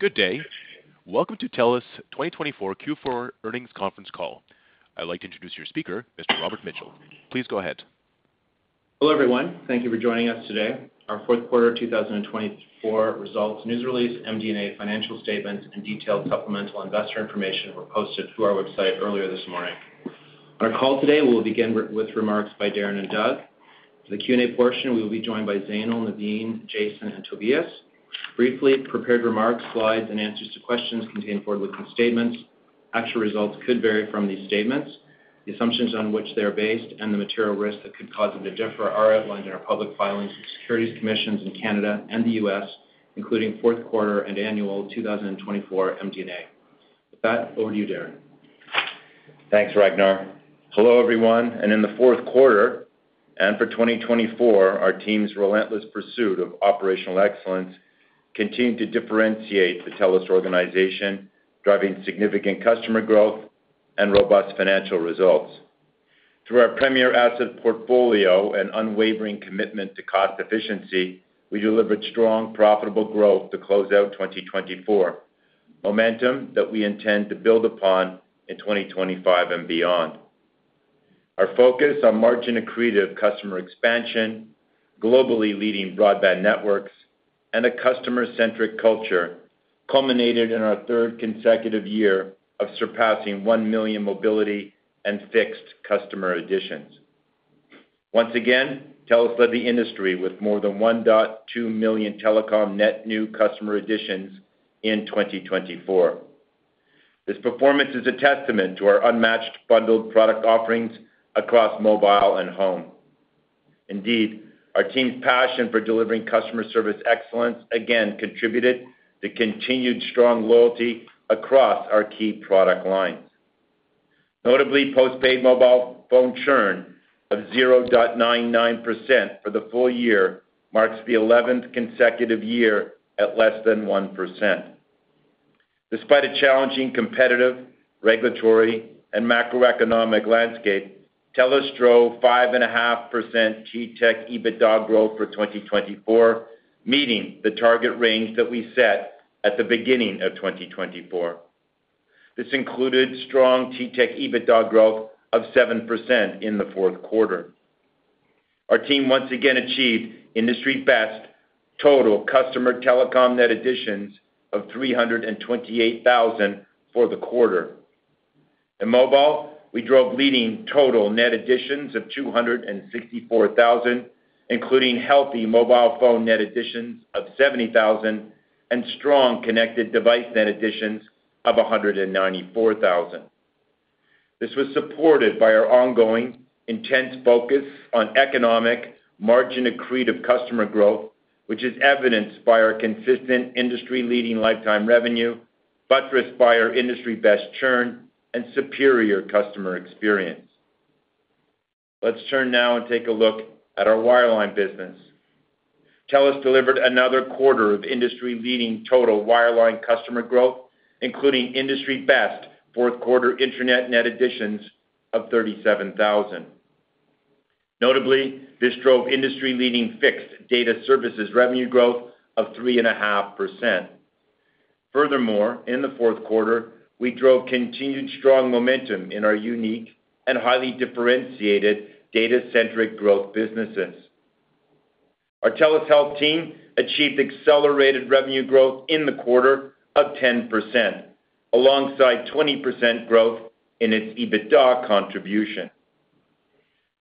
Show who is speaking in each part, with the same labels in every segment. Speaker 1: Good day. Welcome to TELUS 2024 Q4 earnings conference call. I'd like to introduce your speaker, Mr. Robert Mitchell. Please go ahead.
Speaker 2: Hello everyone. Thank you for joining us today. Our fourth quarter 2024 results news release, MD&A financial statements, and detailed supplemental investor information were posted to our website earlier this morning. Our call today will begin with remarks by Darren and Doug. For the Q&A portion, we will be joined by Zainul, Navin, Jason, and Tobias. Briefly, prepared remarks, slides, and answers to questions contain forward-looking statements. Actual results could vary from these statements. The assumptions on which they are based and the material risks that could cause them to differ are outlined in our public filings with the securities commissions in Canada and the U.S., including fourth quarter and annual 2024 MD&A. With that, over to you, Darren.
Speaker 3: Thanks. Hello everyone. And in the fourth quarter and for 2024, our team's relentless pursuit of operational excellence continued to differentiate the TELUS organization, driving significant customer growth and robust financial results. Through our premier asset portfolio and unwavering commitment to cost efficiency, we delivered strong, profitable growth to close out 2024, momentum that we intend to build upon in 2025 and beyond. Our focus on margin-accretive customer expansion, globally leading broadband networks, and a customer-centric culture culminated in our third consecutive year of surpassing one million mobility and fixed customer additions. Once again, TELUS led the industry with more than 1.2 million telecom net new customer additions in 2024. This performance is a testament to our unmatched bundled product offerings across mobile and home. Indeed, our team's passion for delivering customer service excellence again contributed to continued strong loyalty across our key product lines. Notably, postpaid mobile phone churn of 0.99% for the full year marks the 11th consecutive year at less than 1%. Despite a challenging competitive, regulatory, and macroeconomic landscape, TELUS drove 5.5% TTech EBITDA growth for 2024, meeting the target range that we set at the beginning of 2024. This included strong TTech EBITDA growth of 7% in the fourth quarter. Our team once again achieved industry-best total customer telecom net additions of 328,000 for the quarter. In mobile, we drove leading total net additions of 264,000, including healthy mobile phone net additions of 70,000 and strong connected device net additions of 194,000. This was supported by our ongoing intense focus on economic margin-accretive customer growth, which is evidenced by our consistent industry-leading lifetime revenue, buttressed by our industry-best churn, and superior customer experience. Let's turn now and take a look at our wireline business. TELUS delivered another quarter of industry-leading total wireline customer growth, including industry-best fourth quarter internet net additions of 37,000. Notably, this drove industry-leading fixed data services revenue growth of 3.5%. Furthermore, in the fourth quarter, we drove continued strong momentum in our unique and highly differentiated data-centric growth businesses. Our TELUS Health team achieved accelerated revenue growth in the quarter of 10%, alongside 20% growth in its EBITDA contribution.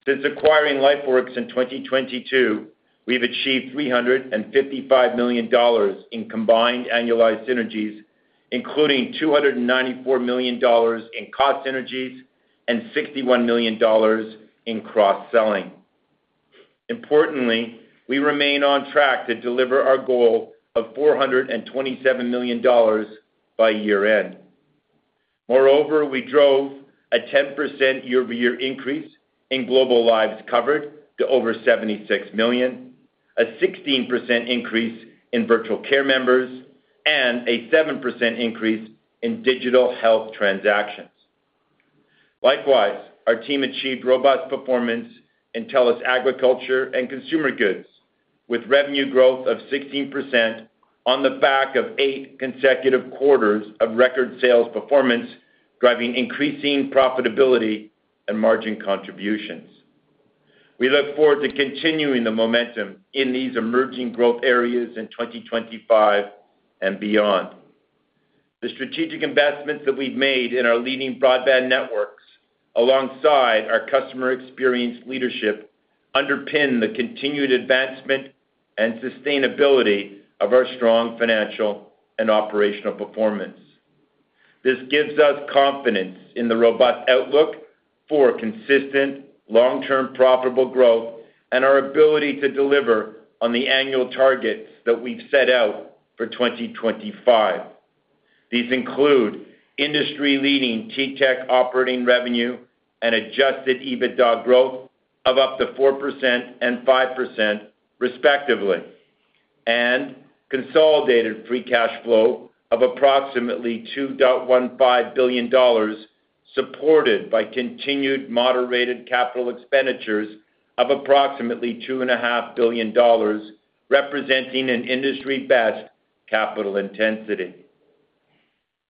Speaker 3: Since acquiring LifeWorks in 2022, we've achieved 355 million dollars in combined annualized synergies, including 294 million dollars in cost synergies and 61 million dollars in cross-selling. Importantly, we remain on track to deliver our goal of 427 million dollars by year-end. Moreover, we drove a 10% year-over-year increase in global lives covered to over 76 million, a 16% increase in virtual care members, and a 7% increase in digital health transactions. Likewise, our team achieved robust performance in TELUS Agriculture & Consumer Goods, with revenue growth of 16% on the back of eight consecutive quarters of record sales performance, driving increasing profitability and margin contributions. We look forward to continuing the momentum in these emerging growth areas in 2025 and beyond. The strategic investments that we've made in our leading broadband networks, alongside our customer experience leadership, underpin the continued advancement and sustainability of our strong financial and operational performance. This gives us confidence in the robust outlook for consistent, long-term profitable growth and our ability to deliver on the annual targets that we've set out for 2025. These include industry-leading TTech operating revenue and adjusted EBITDA growth of up to 4% and 5%, respectively, and consolidated free cash flow of approximately 2.15 billion dollars, supported by continued moderated capital expenditures of approximately 2.5 billion dollars, representing an industry-best capital intensity.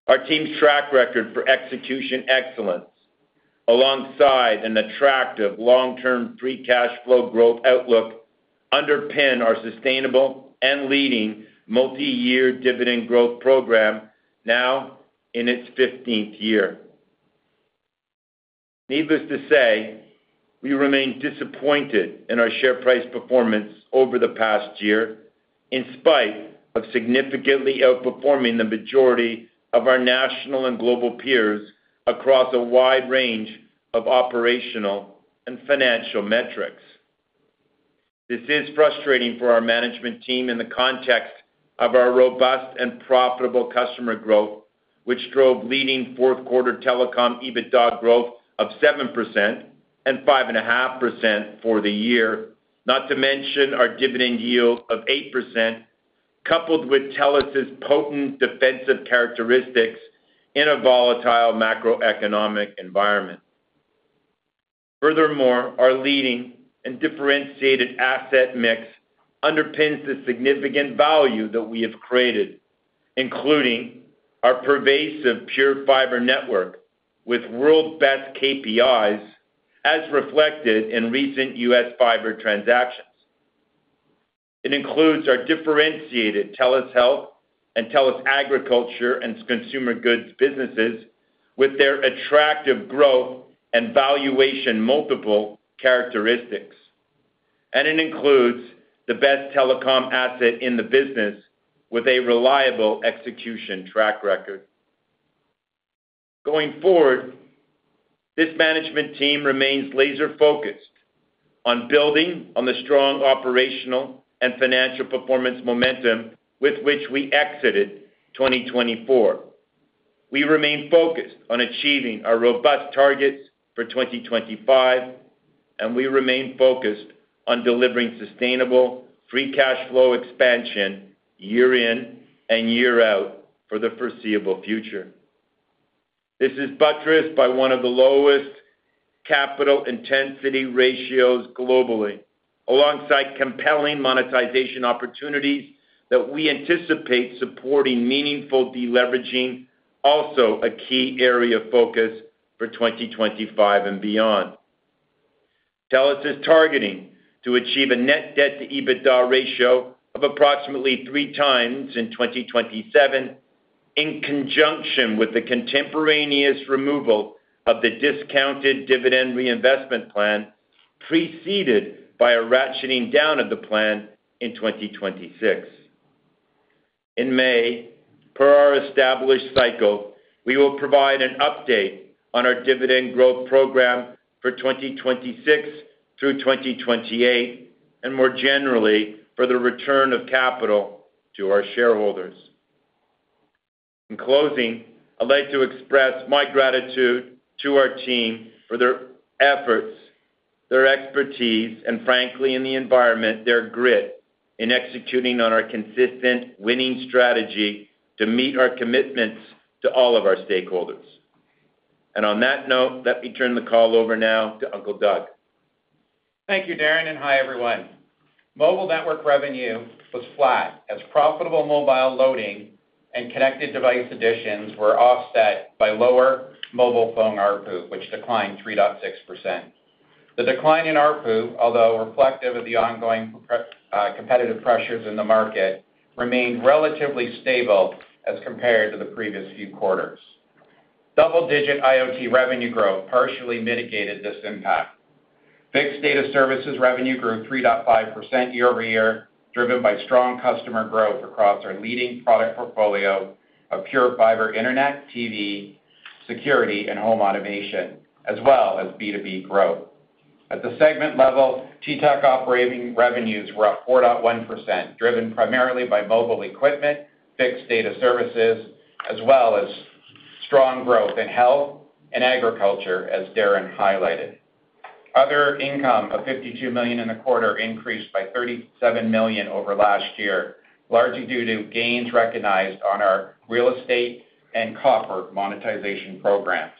Speaker 3: Our team's track record for execution excellence, alongside an attractive long-term free cash flow growth outlook, underpins our sustainable and leading multi-year dividend growth program now in its 15th year. Needless to say, we remain disappointed in our share price performance over the past year, in spite of significantly outperforming the majority of our national and global peers across a wide range of operational and financial metrics. This is frustrating for our management team in the context of our robust and profitable customer growth, which drove leading fourth quarter telecom EBITDA growth of 7% and 5.5% for the year, not to mention our dividend yield of 8%, coupled with TELUS's potent defensive characteristics in a volatile macroeconomic environment. Furthermore, our leading and differentiated asset mix underpins the significant value that we have created, including our pervasive pure fiber network with world-best KPIs, as reflected in recent U.S. fiber transactions. It includes our differentiated TELUS Health and TELUS Agriculture & Consumer Goods businesses with their attractive growth and valuation multiple characteristics. And it includes the best telecom asset in the business with a reliable execution track record. Going forward, this management team remains laser-focused on building on the strong operational and financial performance momentum with which we exited 2024. We remain focused on achieving our robust targets for 2025, and we remain focused on delivering sustainable free cash flow expansion year-in and year-out for the foreseeable future. This is buttressed by one of the lowest capital intensity ratios globally, alongside compelling monetization opportunities that we anticipate supporting meaningful deleveraging, also a key area of focus for 2025 and beyond. TELUS is targeting to achieve a net debt-to-EBITDA ratio of approximately three times in 2027, in conjunction with the contemporaneous removal of the discounted dividend reinvestment plan, preceded by a ratcheting down of the plan in 2026. In May, per our established cycle, we will provide an update on our dividend growth program for 2026 through 2028, and more generally for the return of capital to our shareholders. In closing, I'd like to express my gratitude to our team for their efforts, their expertise, and frankly, in the environment, their grit in executing on our consistent winning strategy to meet our commitments to all of our stakeholders. And on that note, let me turn the call over now to Uncle Doug.
Speaker 4: Thank you, Darren, and hi everyone. Mobile network revenue was flat as profitable mobile loading and connected device additions were offset by lower mobile phone ARPU, which declined 3.6%. The decline in ARPU, although reflective of the ongoing competitive pressures in the market, remained relatively stable as compared to the previous few quarters. Double-digit IoT revenue growth partially mitigated this impact. Fixed data services revenue grew 3.5% year-over-year, driven by strong customer growth across our leading product portfolio of PureFibre internet, TV, security, and home automation, as well as B2B growth. At the segment level, TTech operating revenues were up 4.1%, driven primarily by mobile equipment, fixed data services, as well as strong growth in health and agriculture, as Darren highlighted. Other income of 52 million in the quarter increased by 37 million over last year, largely due to gains recognized on our real estate and copper monetization programs.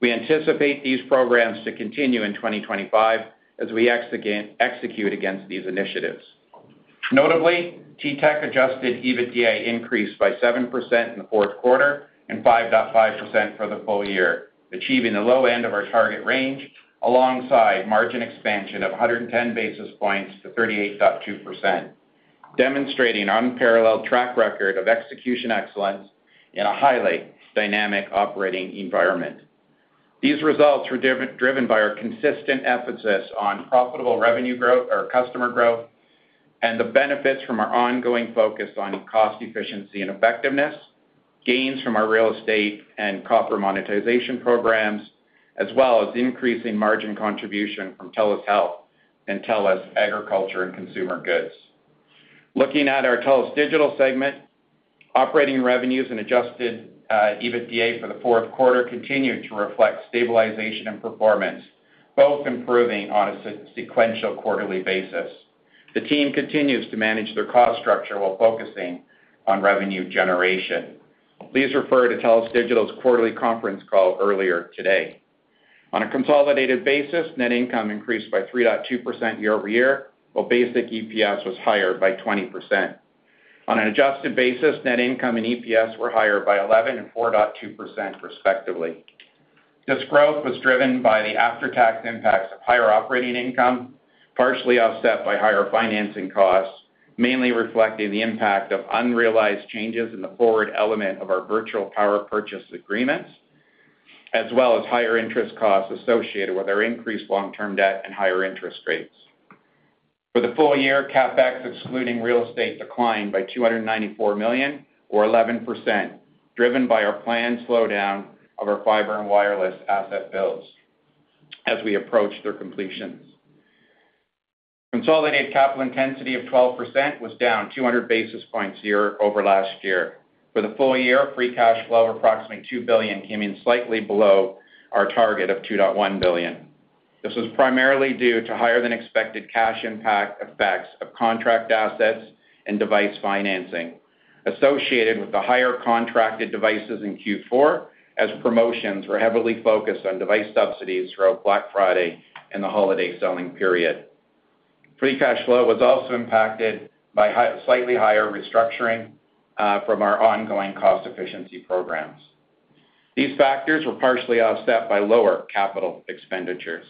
Speaker 4: We anticipate these programs to continue in 2025 as we execute against these initiatives. Notably, TTech adjusted EBITDA increased by 7% in the fourth quarter and 5.5% for the full year, achieving the low end of our target range, alongside margin expansion of 110 basis points to 38.2%, demonstrating an unparalleled track record of execution excellence in a highly dynamic operating environment. These results were driven by our consistent emphasis on profitable revenue growth, our customer growth, and the benefits from our ongoing focus on cost efficiency and effectiveness, gains from our real estate and copper monetization programs, as well as increasing margin contribution from TELUS Health and TELUS Agriculture & Consumer Goods. Looking at our TELUS Digital segment, operating revenues and adjusted EBITDA for the fourth quarter continue to reflect stabilization and performance, both improving on a sequential quarterly basis. The team continues to manage their cost structure while focusing on revenue generation. Please refer to TELUS Digital's quarterly conference call earlier today. On a consolidated basis, net income increased by 3.2% year-over-year, while basic EPS was higher by 20%. On an adjusted basis, net income and EPS were higher by 11% and 4.2%, respectively. This growth was driven by the after-tax impacts of higher operating income, partially offset by higher financing costs, mainly reflecting the impact of unrealized changes in the forward element of our virtual power purchase agreements, as well as higher interest costs associated with our increased long-term debt and higher interest rates. For the full year, CapEx excluding real estate declined by 294 million, or 11%, driven by our planned slowdown of our fiber and wireless asset builds as we approached their completions. Consolidated capital intensity of 12% was down 200 basis points year-over-year. For the full year, free cash flow of approximately 2 billion came in slightly below our target of 2.1 billion. This was primarily due to higher-than-expected cash impact effects of contract assets and device financing associated with the higher contracted devices in Q4, as promotions were heavily focused on device subsidies throughout Black Friday and the holiday selling period. Free cash flow was also impacted by slightly higher restructuring from our ongoing cost efficiency programs. These factors were partially offset by lower capital expenditures.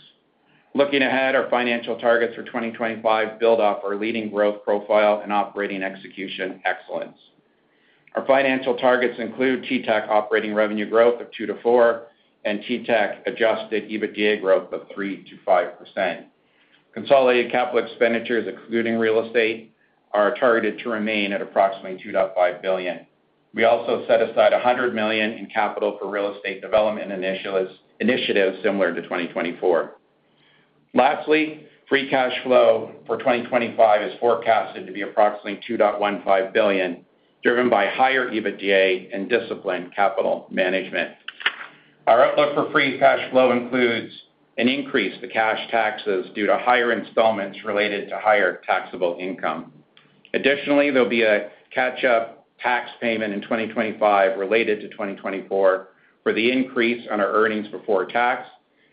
Speaker 4: Looking ahead, our financial targets for 2025 build off our leading growth profile and operating execution excellence. Our financial targets include TTech operating revenue growth of 2%-4% and TTech adjusted EBITDA growth of 3%-5%. Consolidated capital expenditures, excluding real estate, are targeted to remain at approximately 2.5 billion. We also set aside 100 million in capital for real estate development initiatives similar to 2024. Lastly, free cash flow for 2025 is forecasted to be approximately 2.15 billion, driven by higher EBITDA and disciplined capital management. Our outlook for free cash flow includes an increase to cash taxes due to higher installments related to higher taxable income. Additionally, there will be a catch-up tax payment in 2025 related to 2024 for the increase on our earnings before tax,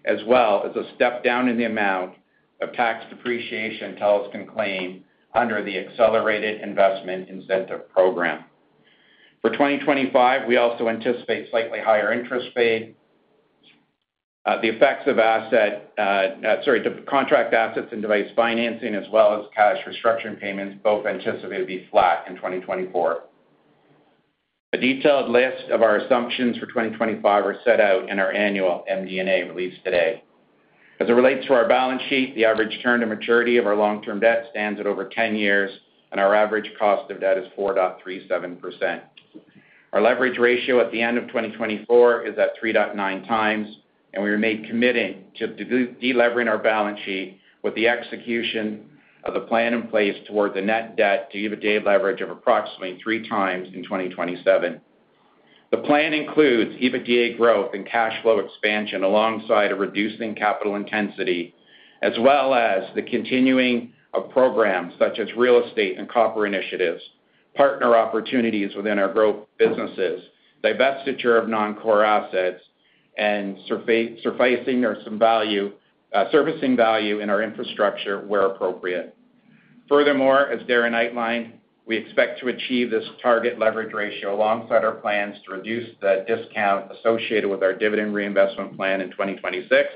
Speaker 4: as well as a step down in the amount of tax depreciation TELUS can claim under the Accelerated Investment Incentive program. For 2025, we also anticipate slightly higher interest rate. The effects of the contract assets and device financing, as well as cash restructuring payments, both anticipated to be flat in 2024. A detailed list of our assumptions for 2025 was set out in our annual MD&A release today. As it relates to our balance sheet, the average return to maturity of our long-term debt stands at over 10 years, and our average cost of debt is 4.37%. Our leverage ratio at the end of 2024 is at 3.9 times, and we remain committed to deleveraging our balance sheet with the execution of the plan in place toward the net debt to EBITDA leverage of approximately three times in 2027. The plan includes EBITDA growth and cash flow expansion alongside a reducing capital intensity, as well as the continuing of programs such as real estate and copper initiatives, partner opportunities within our growth businesses, divestiture of non-core assets, and surfacing or some value, servicing value in our infrastructure where appropriate. Furthermore, as Darren outlined, we expect to achieve this target leverage ratio alongside our plans to reduce the discount associated with our dividend reinvestment plan in 2026,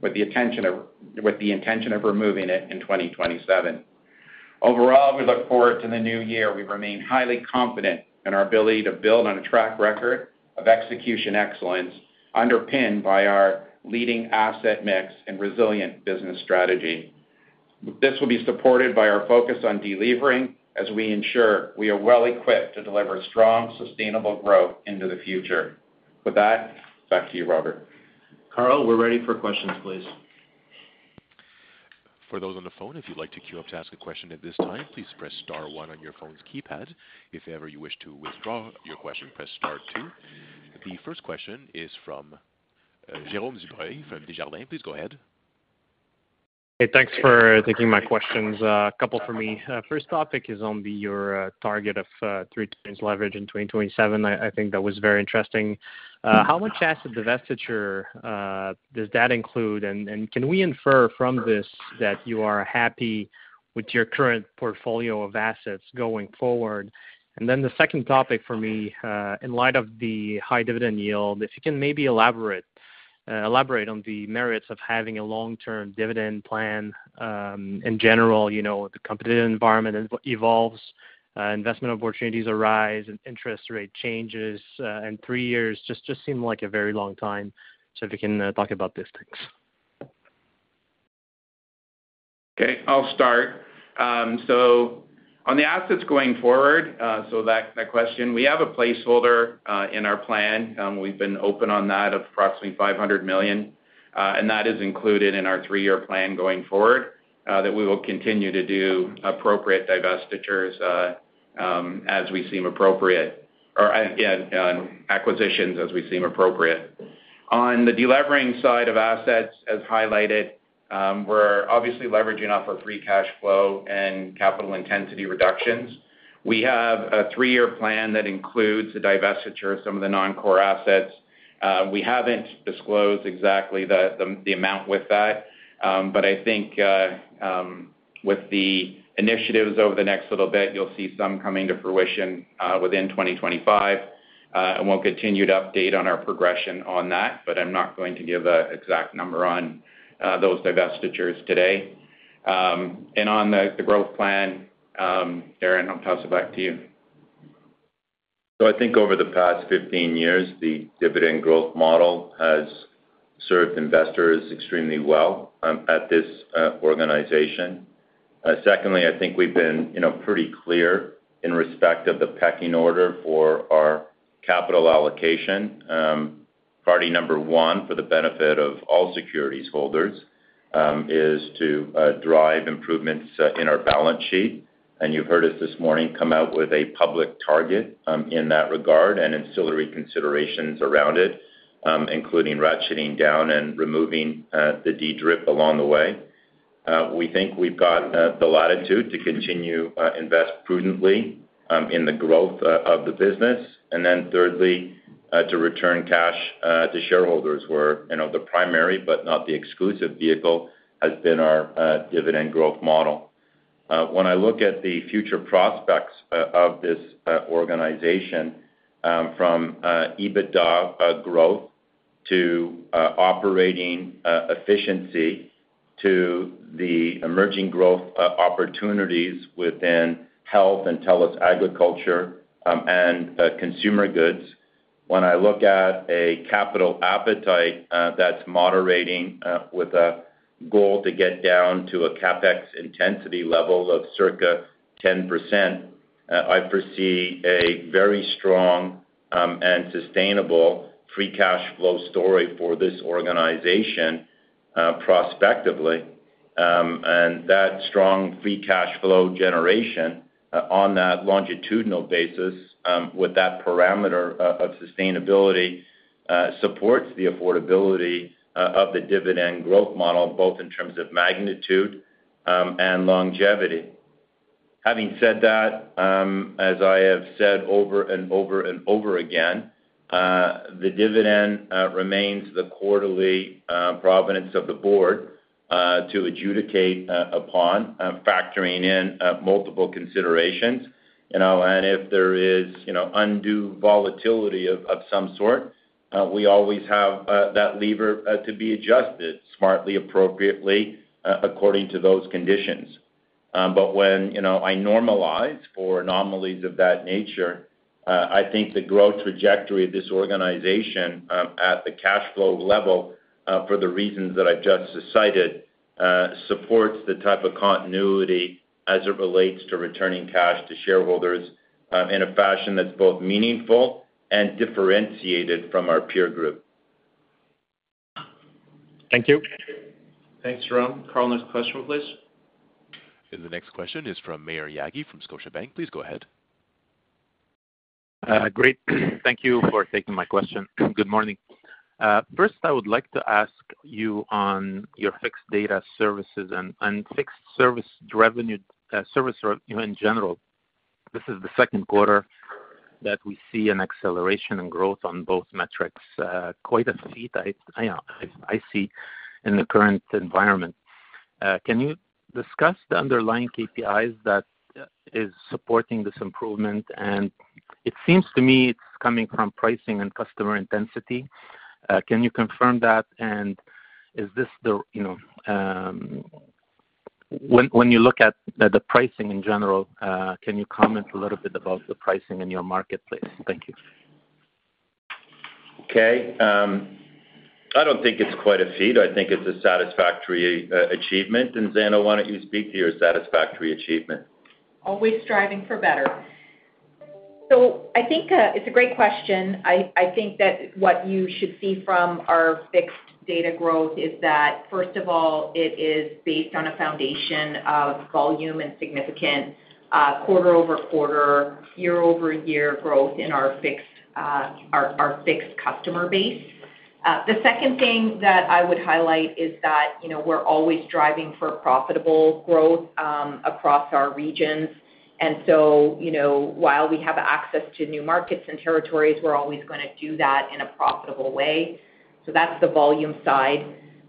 Speaker 4: with the intention of removing it in 2027. Overall, we look forward to the new year. We remain highly confident in our ability to build on a track record of execution excellence, underpinned by our leading asset mix and resilient business strategy. This will be supported by our focus on delivering as we ensure we are well-equipped to deliver strong, sustainable growth into the future. With that, back to you, Robert.
Speaker 2: Carl, we're ready for questions, please.
Speaker 1: For those on the phone, if you'd like to queue up to ask a question at this time, please press star one on your phone's keypad. If ever you wish to withdraw your question, press star two. The first question is from Jérôme Dubreuil from Desjardins. Please go ahead.
Speaker 5: Hey, thanks for taking my questions. A couple for me. First topic is on your target of three times leverage in 2027. I think that was very interesting. How much asset divestiture does that include? And can we infer from this that you are happy with your current portfolio of assets going forward? And then the second topic for me, in light of the high dividend yield, if you can maybe elaborate on the merits of having a long-term dividend plan in general, the competitive environment evolves, investment opportunities arise, and interest rate changes, and three years just seem like a very long time. So if you can talk about these things.
Speaker 4: Okay, I'll start. So on the assets going forward, so that question, we have a placeholder in our plan. We've been open on that of approximately 500 million, and that is included in our three-year plan going forward that we will continue to do appropriate divestitures as we seem appropriate, or acquisitions as we seem appropriate. On the deleveraging side of assets, as highlighted, we're obviously leveraging off of free cash flow and capital intensity reductions. We have a three-year plan that includes the divestiture of some of the non-core assets. We haven't disclosed exactly the amount with that, but I think with the initiatives over the next little bit, you'll see some coming to fruition within 2025. And we'll continue to update on our progression on that, but I'm not going to give an exact number on those divestitures today. On the growth plan, Darren, I'll pass it back to you.
Speaker 3: So I think over the past 15 years, the dividend growth model has served investors extremely well at this organization. Secondly, I think we've been pretty clear in respect of the pecking order for our capital allocation. Priority number one for the benefit of all securities holders is to drive improvements in our balance sheet. And you've heard us this morning come out with a public target in that regard and ancillary considerations around it, including ratcheting down and removing the DDRIP along the way. We think we've got the latitude to continue to invest prudently in the growth of the business. And then thirdly, to return cash to shareholders where the primary, but not the exclusive vehicle, has been our dividend growth model. When I look at the future prospects of this organization, from EBITDA growth to operating efficiency to the emerging growth opportunities within TELUS Health and TELUS Agriculture & Consumer Goods, when I look at a capital appetite that's moderating with a goal to get down to a CapEx intensity level of circa 10%, I foresee a very strong and sustainable free cash flow story for this organization prospectively, and that strong free cash flow generation on that longitudinal basis with that parameter of sustainability supports the affordability of the dividend growth model, both in terms of magnitude and longevity. Having said that, as I have said over and over and over again, the dividend remains the quarterly provenance of the board to adjudicate upon, factoring in multiple considerations, and if there is undue volatility of some sort, we always have that lever to be adjusted smartly, appropriately, according to those conditions. But when I normalize for anomalies of that nature, I think the growth trajectory of this organization at the cash flow level, for the reasons that I've just cited, supports the type of continuity as it relates to returning cash to shareholders in a fashion that's both meaningful and differentiated from our peer group.
Speaker 5: Thank you.
Speaker 2: Thanks, Jérôme. Carl, next question, please.
Speaker 1: The next question is from Maher Yaghi from Scotiabank. Please go ahead.
Speaker 6: Great. Thank you for taking my question. Good morning. First, I would like to ask you on your fixed data services and fixed service revenue service in general. This is the second quarter that we see an acceleration in growth on both metrics. Quite a feat I see in the current environment. Can you discuss the underlying KPIs that are supporting this improvement? And it seems to me it's coming from pricing and customer intensity. Can you confirm that? And when you look at the pricing in general, can you comment a little bit about the pricing in your marketplace? Thank you.
Speaker 3: Okay. I don't think it's quite a feat. I think it's a satisfactory achievement. And, Zainul, why don't you speak to your satisfactory achievement?
Speaker 7: Always striving for better. So I think it's a great question. I think that what you should see from our fixed data growth is that, first of all, it is based on a foundation of volume and significant quarter-over-quarter, year-over-year growth in our fixed customer base. The second thing that I would highlight is that we're always driving for profitable growth across our regions. And so while we have access to new markets and territories, we're always going to do that in a profitable way. So that's the volume side.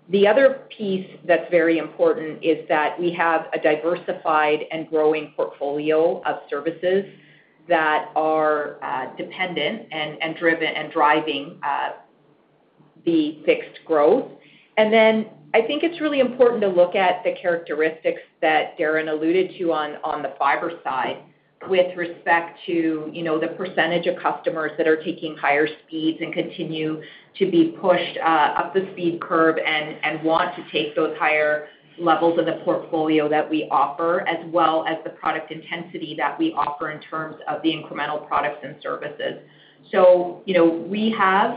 Speaker 7: The other piece that's very important is that we have a diversified and growing portfolio of services that are dependent and driven and driving the fixed growth. And then I think it's really important to look at the characteristics that Darren alluded to on the fiber side with respect to the percentage of customers that are taking higher speeds and continue to be pushed up the speed curve and want to take those higher levels of the portfolio that we offer, as well as the product intensity that we offer in terms of the incremental products and services. So we have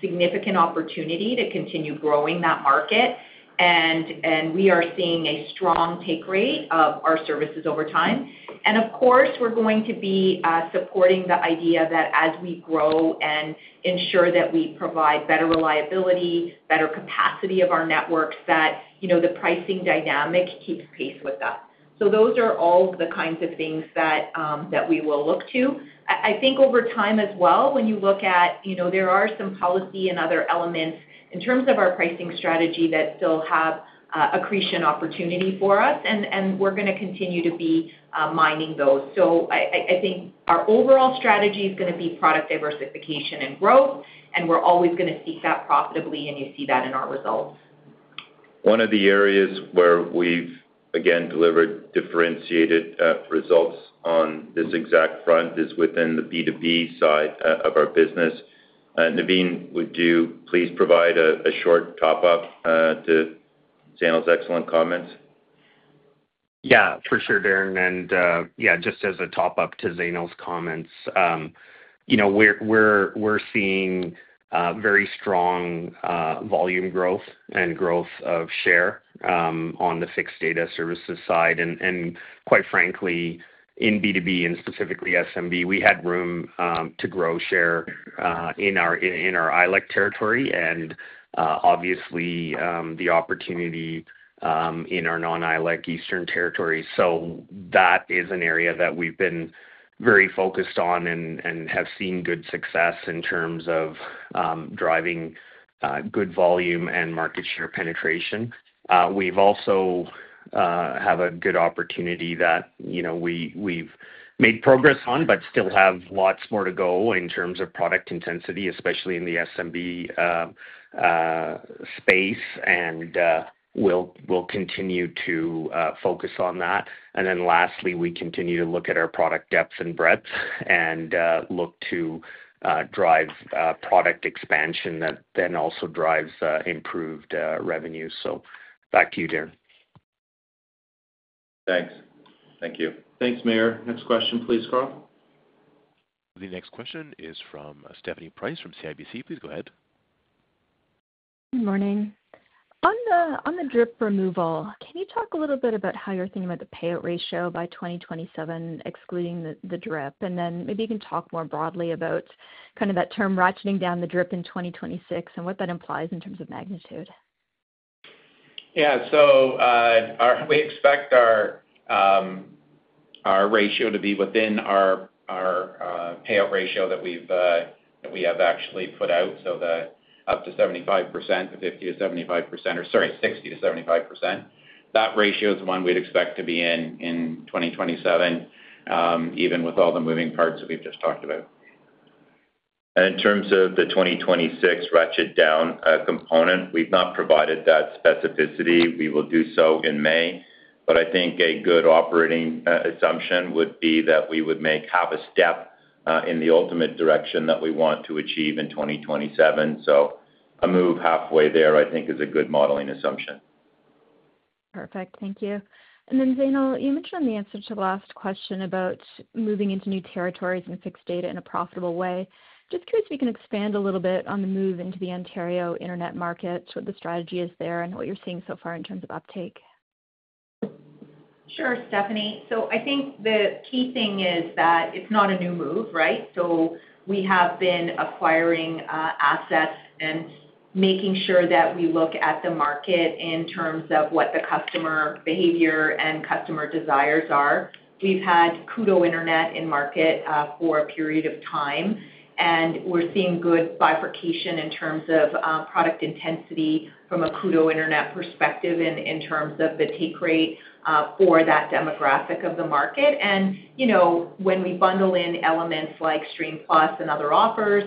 Speaker 7: significant opportunity to continue growing that market, and we are seeing a strong take rate of our services over time. And of course, we're going to be supporting the idea that as we grow and ensure that we provide better reliability, better capacity of our networks, that the pricing dynamic keeps pace with that. So those are all the kinds of things that we will look to. I think over time as well, when you look at there are some policy and other elements in terms of our pricing strategy that still have accretion opportunity for us, and we're going to continue to be mining those. So I think our overall strategy is going to be product diversification and growth, and we're always going to seek that profitably, and you see that in our results.
Speaker 3: One of the areas where we've, again, delivered differentiated results on this exact front is within the B2B side of our business. Navin, would you please provide a short top-up to Zainul's excellent comments?
Speaker 8: Yeah, for sure, Darren. And yeah, just as a top-up to Zainul's comments, we're seeing very strong volume growth and growth of share on the fixed data services side. And quite frankly, in B2B and specifically SMB, we had room to grow share in our ILEC territory and obviously the opportunity in our non-ILEC Eastern territory. So that is an area that we've been very focused on and have seen good success in terms of driving good volume and market share penetration. We also have a good opportunity that we've made progress on, but still have lots more to go in terms of product intensity, especially in the SMB space, and we'll continue to focus on that. And then lastly, we continue to look at our product depth and breadth and look to drive product expansion that then also drives improved revenue. So back to you, Darren.
Speaker 3: Thanks. Thank you.
Speaker 2: Thanks, Mayor. Next question, please, Carl.
Speaker 1: The next question is from Stephanie Price from CIBC. Please go ahead.
Speaker 9: Good morning. On the DRIP removal, can you talk a little bit about how you're thinking about the payout ratio by 2027, excluding the DRIP? And then maybe you can talk more broadly about kind of that term ratcheting down the DRIP in 2026 and what that implies in terms of magnitude?
Speaker 3: Yeah. So we expect our ratio to be within our payout ratio that we have actually put out. So up to 75%, 50%-75%, or sorry, 60%-75%. That ratio is one we'd expect to be in 2027, even with all the moving parts that we've just talked about. And in terms of the 2026 ratchet down component, we've not provided that specificity. We will do so in May. But I think a good operating assumption would be that we would make half a step in the ultimate direction that we want to achieve in 2027. So a move halfway there, I think, is a good modeling assumption.
Speaker 9: Perfect. Thank you. And then, Zainul, you mentioned on the answer to the last question about moving into new territories and fixed data in a profitable way. Just curious if you can expand a little bit on the move into the Ontario internet market, what the strategy is there, and what you're seeing so far in terms of uptake?
Speaker 7: Sure, Stephanie. So I think the key thing is that it's not a new move, right? So we have been acquiring assets and making sure that we look at the market in terms of what the customer behavior and customer desires are. We've had Koodo Internet in market for a period of time, and we're seeing good bifurcation in terms of product intensity from a Koodo Internet perspective and in terms of the take rate for that demographic of the market. And when we bundle in elements like Stream+ and other offers,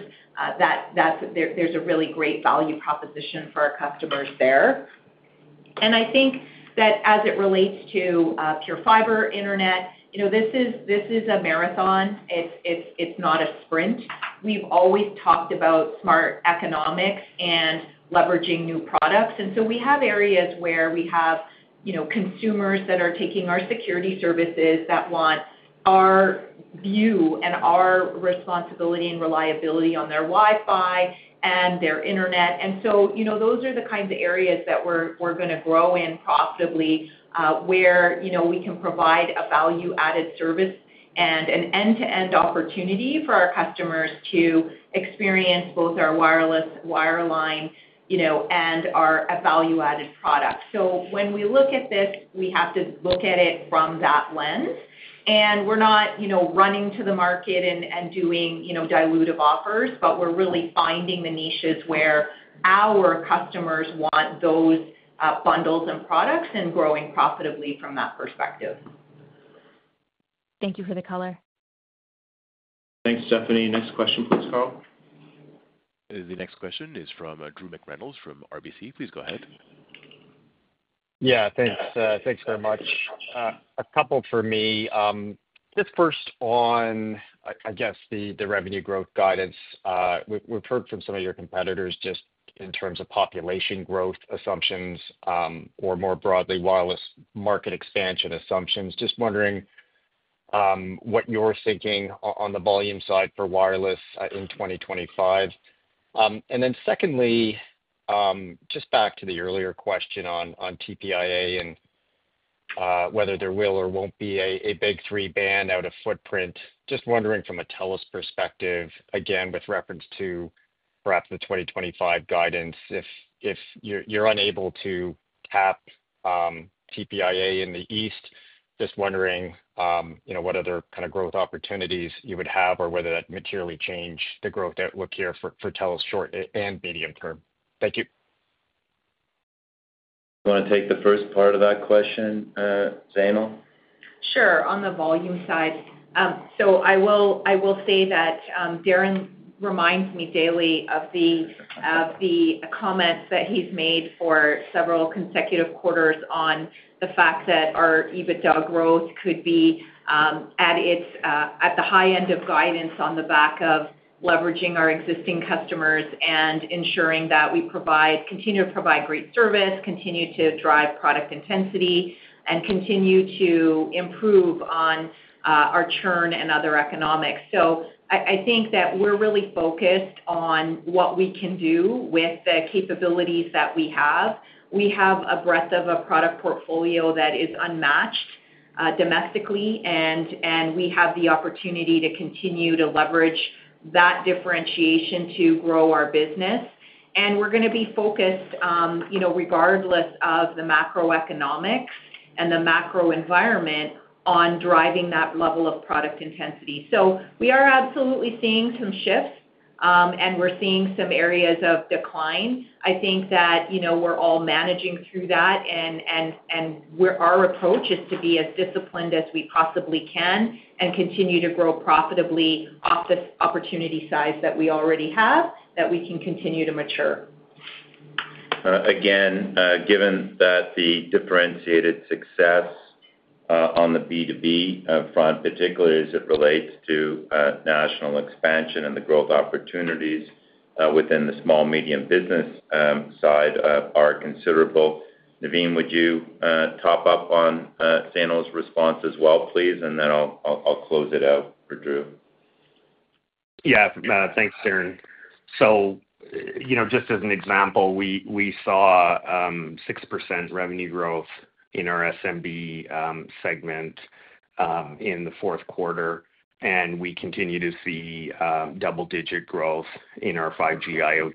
Speaker 7: there's a really great value proposition for our customers there. And I think that as it relates to PureFibre internet, this is a marathon. It's not a sprint. We've always talked about smart economics and leveraging new products. And so we have areas where we have consumers that are taking our security services that want our view and our responsibility and reliability on their Wi-Fi and their internet. And so those are the kinds of areas that we're going to grow in profitably where we can provide a value-added service and an end-to-end opportunity for our customers to experience both our wireless wireline and our value-added products. So when we look at this, we have to look at it from that lens. And we're not running to the market and doing dilutive offers, but we're really finding the niches where our customers want those bundles and products and growing profitably from that perspective.
Speaker 9: Thank you for the color.
Speaker 2: Thanks, Stephanie. Next question, please, Carl.
Speaker 1: The next question is from Drew McReynolds from RBC. Please go ahead.
Speaker 10: Yeah. Thanks very much. A couple for me. Just first on, I guess, the revenue growth guidance. We've heard from some of your competitors just in terms of population growth assumptions or more broadly, wireless market expansion assumptions. Just wondering what you're thinking on the volume side for wireless in 2025. And then secondly, just back to the earlier question on TPIA and whether there will or won't be a Big Three ban out of footprint. Just wondering from a TELUS perspective, again, with reference to perhaps the 2025 guidance, if you're unable to tap TPIA in the East, just wondering what other kind of growth opportunities you would have or whether that materially changed the growth outlook here for TELUS short and medium term. Thank you.
Speaker 3: Do you want to take the first part of that question, Zainul?
Speaker 7: Sure. On the volume side, so I will say that Darren reminds me daily of the comments that he's made for several consecutive quarters on the fact that our EBITDA growth could be at the high end of guidance on the back of leveraging our existing customers and ensuring that we continue to provide great service, continue to drive product intensity, and continue to improve on our churn and other economics. So I think that we're really focused on what we can do with the capabilities that we have. We have a breadth of a product portfolio that is unmatched domestically, and we have the opportunity to continue to leverage that differentiation to grow our business. And we're going to be focused, regardless of the macroeconomics and the macro environment, on driving that level of product intensity. So we are absolutely seeing some shifts, and we're seeing some areas of decline. I think that we're all managing through that, and our approach is to be as disciplined as we possibly can and continue to grow profitably off this opportunity size that we already have that we can continue to mature.
Speaker 3: Again, given that the differentiated success on the B2B front, particularly as it relates to national expansion and the growth opportunities within the small-medium business side are considerable, Navin, would you top up on Zainul's response as well, please? And then I'll close it out for Drew.
Speaker 8: Yeah. Thanks, Darren. So just as an example, we saw 6% revenue growth in our SMB segment in the fourth quarter, and we continue to see double-digit growth in our 5G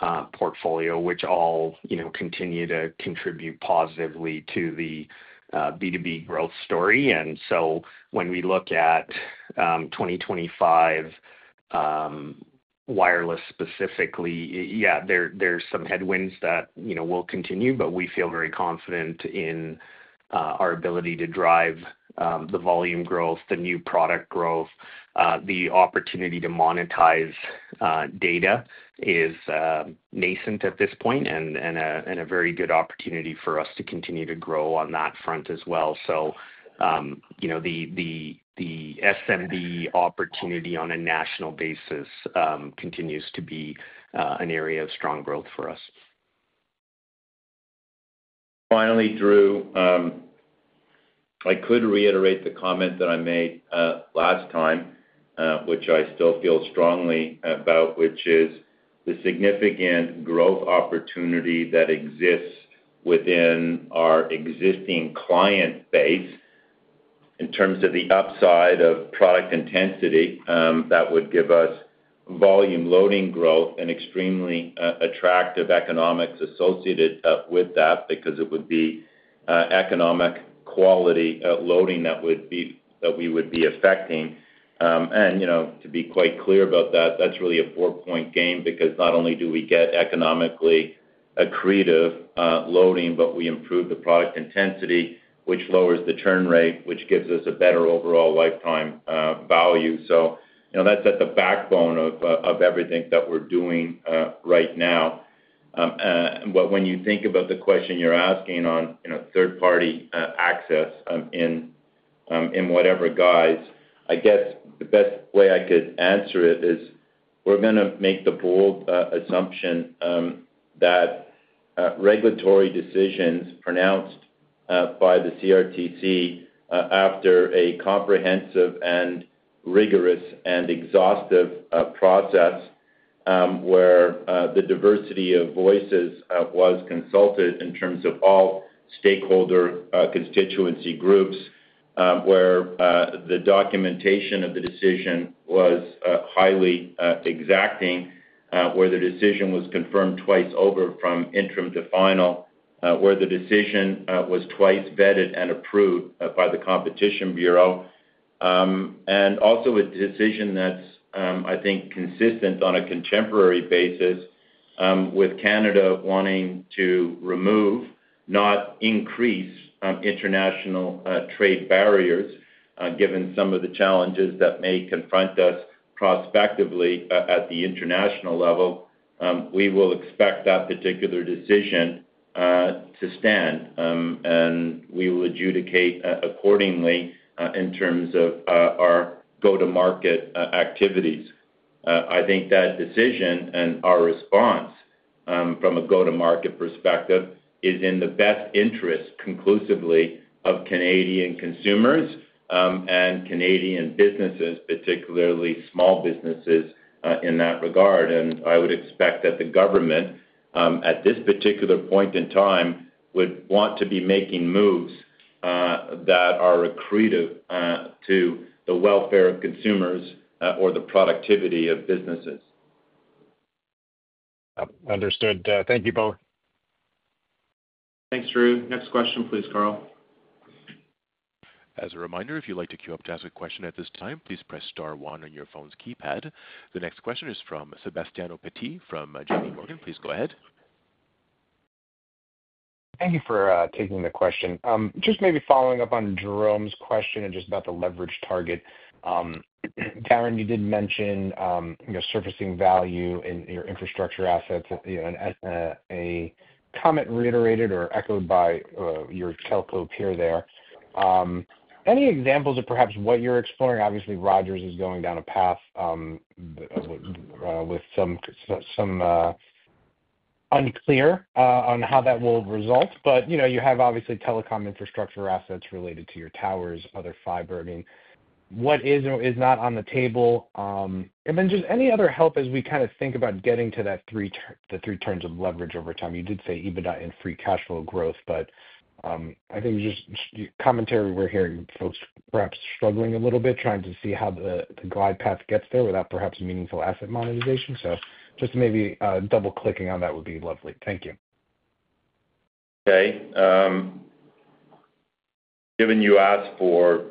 Speaker 8: IoT portfolio, which all continue to contribute positively to the B2B growth story. And so when we look at 2025 wireless specifically, yeah, there's some headwinds that will continue, but we feel very confident in our ability to drive the volume growth, the new product growth. The opportunity to monetize data is nascent at this point and a very good opportunity for us to continue to grow on that front as well. So the SMB opportunity on a national basis continues to be an area of strong growth for us.
Speaker 3: Finally, Drew, I could reiterate the comment that I made last time, which I still feel strongly about, which is the significant growth opportunity that exists within our existing client base in terms of the upside of product intensity that would give us volume loading growth and extremely attractive economics associated with that because it would be economic quality loading that we would be affecting, and to be quite clear about that, that's really a four-point gain because not only do we get economically accretive loading, but we improve the product intensity, which lowers the churn rate, which gives us a better overall lifetime value, so that's at the backbone of everything that we're doing right now. But when you think about the question you're asking on third-party access in whatever guise, I guess the best way I could answer it is we're going to make the bold assumption that regulatory decisions pronounced by the CRTC after a comprehensive and rigorous and exhaustive process where the diversity of voices was consulted in terms of all stakeholder constituency groups, where the documentation of the decision was highly exacting, where the decision was confirmed twice over from interim to final, where the decision was twice vetted and approved by the Competition Bureau, and also a decision that's, I think, consistent on a contemporary basis with Canada wanting to remove, not increase international trade barriers given some of the challenges that may confront us prospectively at the international level. We will expect that particular decision to stand, and we will adjudicate accordingly in terms of our go-to-market activities. I think that decision and our response from a go-to-market perspective is in the best interest conclusively of Canadian consumers and Canadian businesses, particularly small businesses in that regard, and I would expect that the government, at this particular point in time, would want to be making moves that are accretive to the welfare of consumers or the productivity of businesses.
Speaker 10: Understood. Thank you both.
Speaker 2: Thanks, Drew. Next question, please, Carl.
Speaker 1: As a reminder, if you'd like to queue up to ask a question at this time, please press star one on your phone's keypad. The next question is from Sebastiano Petti from JP Morgan. Please go ahead.
Speaker 11: Thank you for taking the question. Just maybe following up on Jérôme's question and just about the leverage target. Darren, you did mention surfacing value in your infrastructure assets. A comment reiterated or echoed by your telco peer there. Any examples of perhaps what you're exploring? Obviously, Rogers is going down a path with something unclear on how that will result, but you have obviously telecom infrastructure assets related to your towers, other fiber. I mean, what is or is not on the table?, and then just any other help as we kind of think about getting to the three turns of leverage over time? You did say EBITDA and free cash flow growth, but I think just commentary we're hearing folks perhaps struggling a little bit trying to see how the glide path gets there without perhaps meaningful asset monetization, so just maybe double-clicking on that would be lovely. Thank you.
Speaker 3: Okay. Given you asked for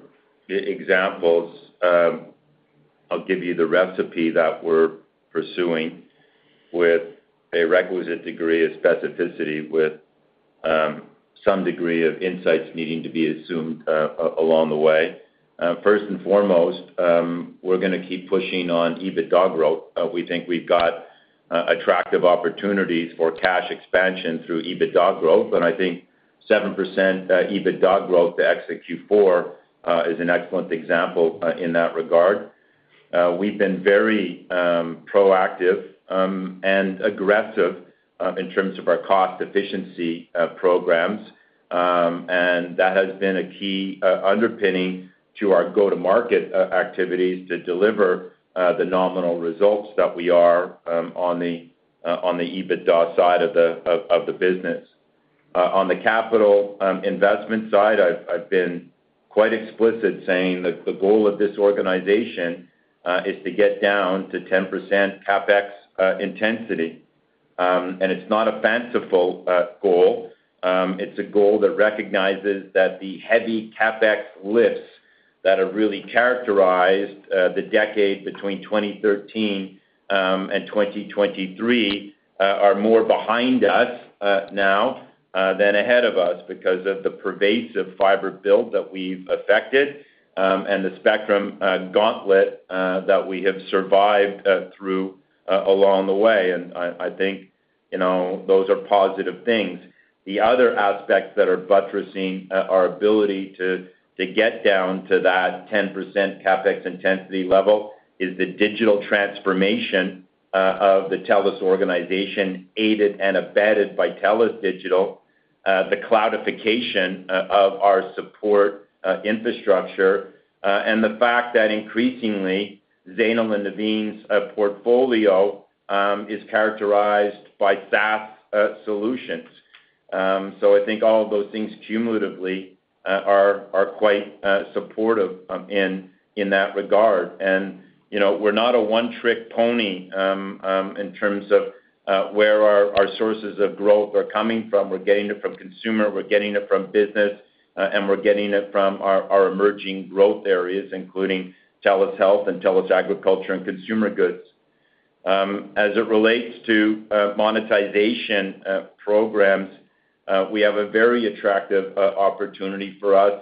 Speaker 3: examples, I'll give you the recipe that we're pursuing with a requisite degree of specificity with some degree of insights needing to be assumed along the way. First and foremost, we're going to keep pushing on EBITDA growth. We think we've got attractive opportunities for cash expansion through EBITDA growth. I think 7% EBITDA growth to exit Q4 is an excellent example in that regard. We've been very proactive and aggressive in terms of our cost efficiency programs. That has been a key underpinning to our go-to-market activities to deliver the nominal results that we are on the EBITDA side of the business. On the capital investment side, I've been quite explicit saying that the goal of this organization is to get down to 10% CapEx intensity. It's not a fanciful goal. It's a goal that recognizes that the heavy CapEx lifts that have really characterized the decade between 2013 and 2023 are more behind us now than ahead of us because of the pervasive fiber build that we've affected and the spectrum gauntlet that we have survived through along the way. And I think those are positive things. The other aspects that are buttressing our ability to get down to that 10% CapEx intensity level is the digital transformation of the TELUS organization aided and abetted by TELUS Digital, the cloudification of our support infrastructure, and the fact that increasingly Zainul and Navin's portfolio is characterized by SaaS solutions. So I think all of those things cumulatively are quite supportive in that regard. And we're not a one-trick pony in terms of where our sources of growth are coming from. We're getting it from consumer. We're getting it from business. And we're getting it from our emerging growth areas, including TELUS Health and TELUS Agriculture & Consumer Goods. As it relates to monetization programs, we have a very attractive opportunity for us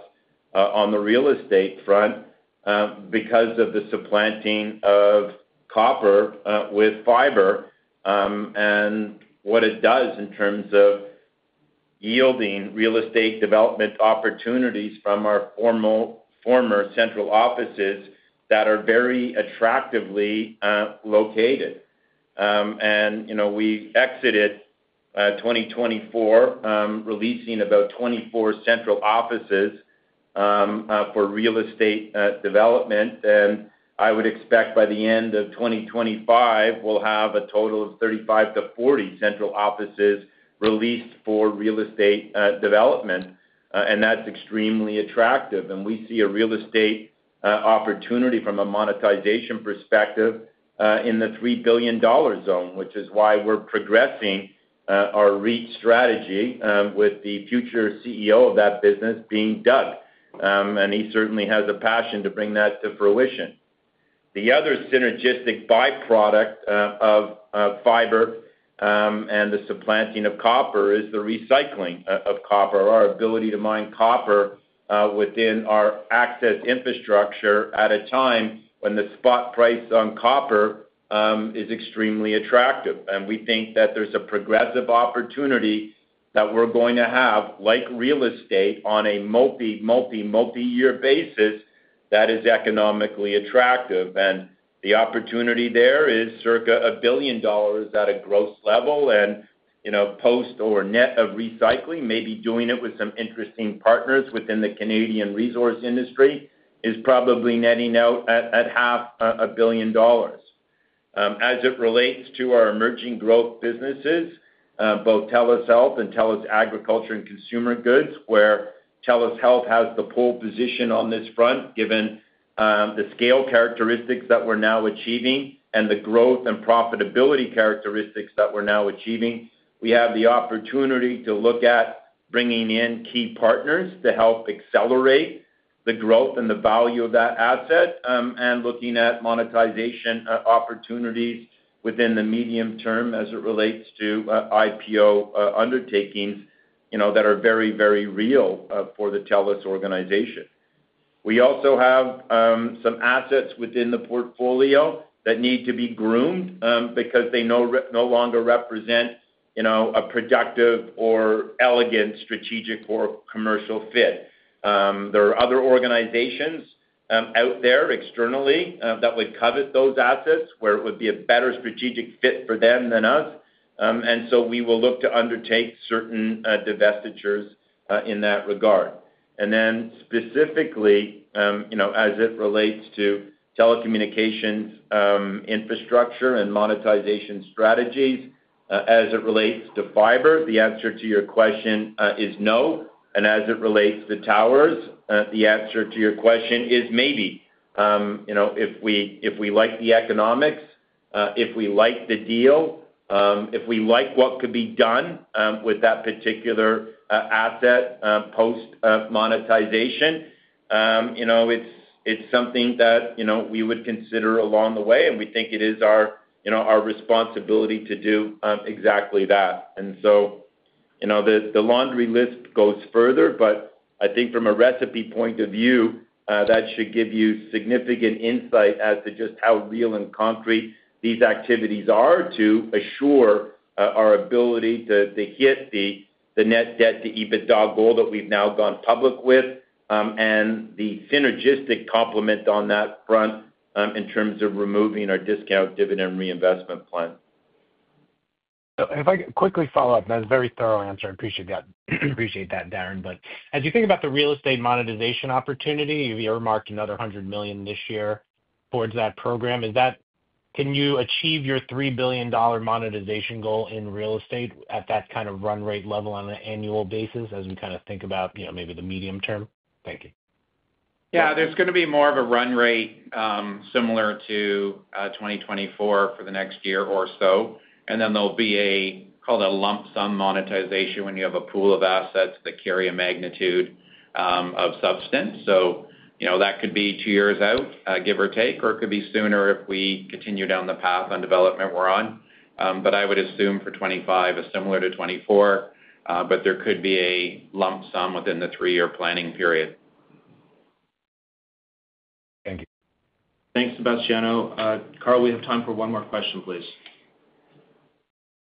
Speaker 3: on the real estate front because of the supplanting of copper with fiber and what it does in terms of yielding real estate development opportunities from our former central offices that are very attractively located. And we exited 2024, releasing about 24 central offices for real estate development. And I would expect by the end of 2025, we'll have a total of 35-40 central offices released for real estate development. And that's extremely attractive. And we see a real estate opportunity from a monetization perspective in the 3 billion dollar zone, which is why we're progressing our REIT strategy with the future CEO of that business being Doug. And he certainly has a passion to bring that to fruition. The other synergistic byproduct of fiber and the supplanting of copper is the recycling of copper, our ability to mine copper within our access infrastructure at a time when the spot price on copper is extremely attractive. And we think that there's a progressive opportunity that we're going to have, like real estate, on a multi, multi, multi-year basis that is economically attractive. And the opportunity there is circa 1 billion dollars at a gross level. And post or net of recycling, maybe doing it with some interesting partners within the Canadian resource industry is probably netting out at 500 million dollars. As it relates to our emerging growth businesses, both TELUS Health and TELUS Agriculture & Consumer Goods, where TELUS Health has the pole position on this front, given the scale characteristics that we're now achieving and the growth and profitability characteristics that we're now achieving, we have the opportunity to look at bringing in key partners to help accelerate the growth and the value of that asset and looking at monetization opportunities within the medium term as it relates to IPO undertakings that are very, very real for the TELUS organization. We also have some assets within the portfolio that need to be groomed because they no longer represent a productive or elegant strategic or commercial fit. There are other organizations out there externally that would covet those assets where it would be a better strategic fit for them than us. And so we will look to undertake certain divestitures in that regard. And then specifically, as it relates to telecommunications infrastructure and monetization strategies, as it relates to fiber, the answer to your question is no. And as it relates to towers, the answer to your question is maybe. If we like the economics, if we like the deal, if we like what could be done with that particular asset post monetization, it's something that we would consider along the way. And we think it is our responsibility to do exactly that. And so the laundry list goes further, but I think from a recipe point of view, that should give you significant insight as to just how real and concrete these activities are to assure our ability to hit the net debt to EBITDA goal that we've now gone public with and the synergistic complement on that front in terms of removing our discounted dividend reinvestment plan.
Speaker 11: So if I could quickly follow up, that's a very thorough answer. I appreciate that, Darren. But as you think about the real estate monetization opportunity, you've earmarked another 100 million this year towards that program. Can you achieve your 3 billion dollar monetization goal in real estate at that kind of run rate level on an annual basis as we kind of think about maybe the medium term? Thank you.
Speaker 4: Yeah. There's going to be more of a run rate similar to 2024 for the next year or so. And then there'll be called a lump sum monetization when you have a pool of assets that carry a magnitude of substance. So that could be two years out, give or take, or it could be sooner if we continue down the path on development we're on. But I would assume for 2025, similar to 2024, but there could be a lump sum within the three-year planning period.
Speaker 11: Thank you.
Speaker 2: Thanks, Sebastiano. Carl, we have time for one more question, please.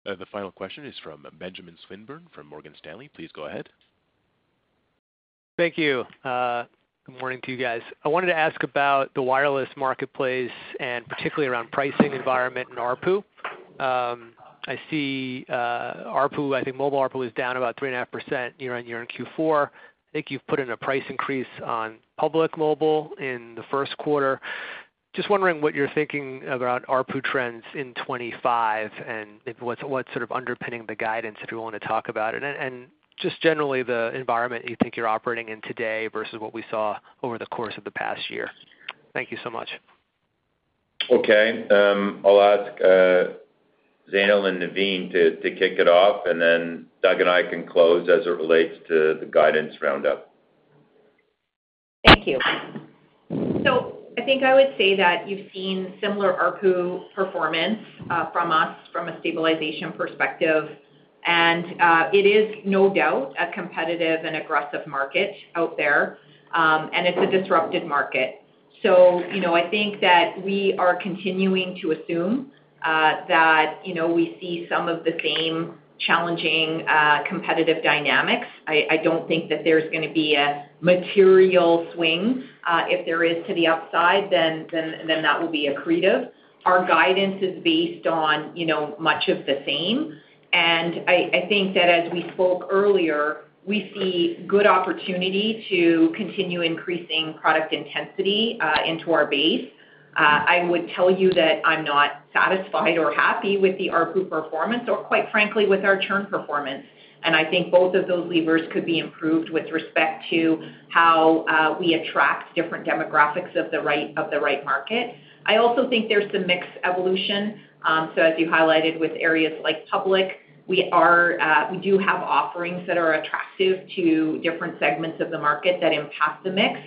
Speaker 1: The final question is from Benjamin Swinburne from Morgan Stanley. Please go ahead.
Speaker 12: Thank you. Good morning to you guys. I wanted to ask about the wireless marketplace and particularly around pricing environment in ARPU. I see ARPU, I think mobile ARPU is down about 3.5% year on year in Q4. I think you've put in a price increase on Public Mobile in the first quarter. Just wondering what you're thinking about ARPU trends in 2025 and what's sort of underpinning the guidance if you want to talk about it and just generally the environment you think you're operating in today versus what we saw over the course of the past year. Thank you so much.
Speaker 3: Okay. I'll ask Zainul and Navin to kick it off, and then Doug and I can close as it relates to the guidance roundup.
Speaker 7: Thank you, so I think I would say that you've seen similar ARPU performance from us from a stabilization perspective, and it is no doubt a competitive and aggressive market out there, and it's a disrupted market, so I think that we are continuing to assume that we see some of the same challenging competitive dynamics. I don't think that there's going to be a material swing. If there is to the upside, then that will be accretive. Our guidance is based on much of the same, and I think that as we spoke earlier, we see good opportunity to continue increasing product intensity into our base. I would tell you that I'm not satisfied or happy with the ARPU performance or, quite frankly, with our churn performance, and I think both of those levers could be improved with respect to how we attract different demographics of the right market. I also think there's some mixed evolution, so as you highlighted with areas like Public, we do have offerings that are attractive to different segments of the market that impact the mix,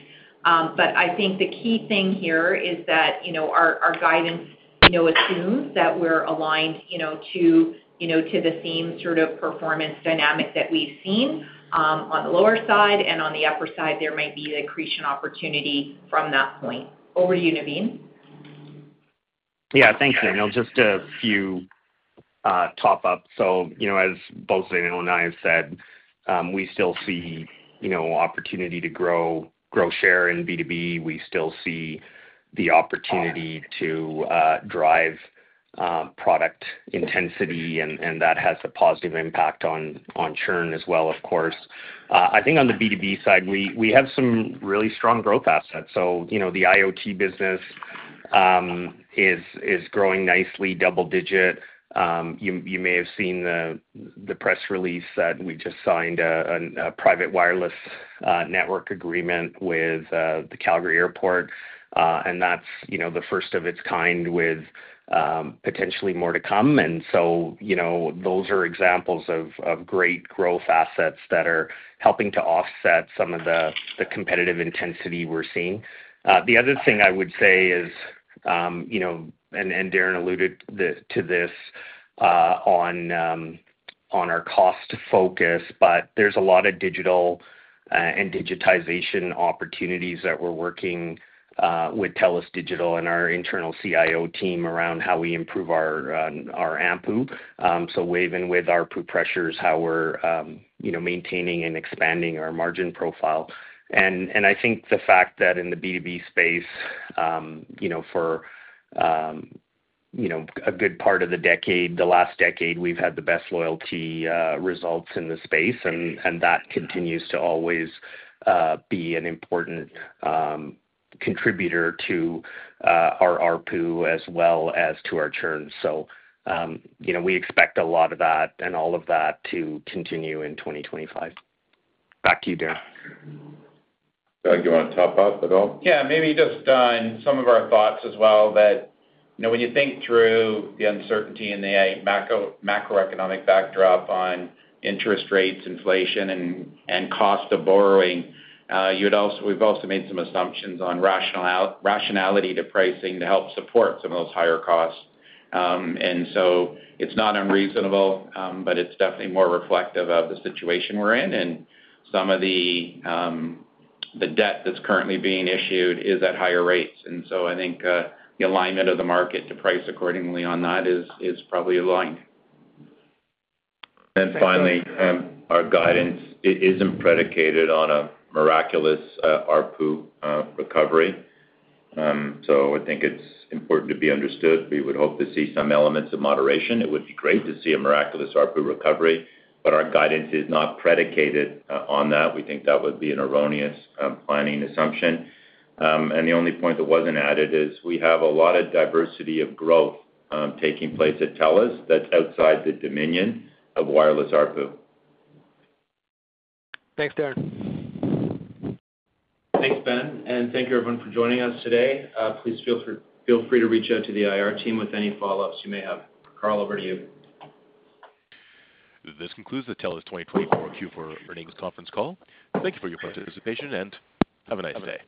Speaker 7: but I think the key thing here is that our guidance assumes that we're aligned to the same sort of performance dynamic that we've seen on the lower side, and on the upper side, there might be an accretion opportunity from that point. Over to you, Navin.
Speaker 8: Yeah. Thanks, Daniel. Just a few top-ups. So as both Zainul and I have said, we still see opportunity to grow share in B2B. We still see the opportunity to drive product intensity, and that has a positive impact on churn as well, of course. I think on the B2B side, we have some really strong growth assets. So the IoT business is growing nicely, double-digit. You may have seen the press release that we just signed a private wireless network agreement with the Calgary Airport. And that's the first of its kind with potentially more to come. And so those are examples of great growth assets that are helping to offset some of the competitive intensity we're seeing. The other thing I would say is, and Darren alluded to this on our cost focus, but there's a lot of digital and digitization opportunities that we're working with TELUS Digital and our internal CIO team around how we improve our AMPU. So, weaving in with ARPU pressures, how we're maintaining and expanding our margin profile. And I think the fact that in the B2B space, for a good part of the decade, the last decade, we've had the best loyalty results in the space. And that continues to always be an important contributor to our ARPU as well as to our churn. So we expect a lot of that and all of that to continue in 2025. Back to you, Darren.
Speaker 3: Doug, do you want to top up at all?
Speaker 4: Yeah. Maybe just in some of our thoughts as well that when you think through the uncertainty and the macroeconomic backdrop on interest rates, inflation, and cost of borrowing, we've also made some assumptions on rationality to pricing to help support some of those higher costs, and so it's not unreasonable, but it's definitely more reflective of the situation we're in, and some of the debt that's currently being issued is at higher rates, and so I think the alignment of the market to price accordingly on that is probably aligned.
Speaker 3: Finally, our guidance isn't predicated on a miraculous ARPU recovery. I think it's important to be understood. We would hope to see some elements of moderation. It would be great to see a miraculous ARPU recovery, but our guidance is not predicated on that. We think that would be an erroneous planning assumption. The only point that wasn't added is we have a lot of diversity of growth taking place at TELUS that's outside the dominion of wireless ARPU.
Speaker 12: Thanks, Darren.
Speaker 2: Thanks, Ben. And thank you, everyone, for joining us today. Please feel free to reach out to the IR team with any follow-ups you may have. Carl, over to you.
Speaker 1: This concludes the TELUS 2024 Q4 earnings conference call. Thank you for your participation and have a nice day.